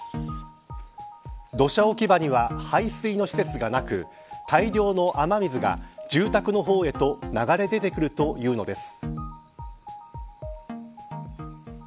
土砂置き場には排水の施設がなく大量の雨水が住宅の方へと流れ出でくるというのです。